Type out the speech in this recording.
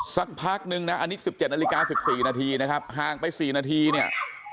สักพักนึงนะอันนี้๑๗นาฬิกา๑๔นาทีนะครับห่างไป๔นาทีเนี่ย